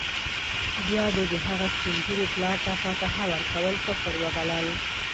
بيا دې د هغه سپین ږیري پلار ته فاتحه ورکول کفر وبلل.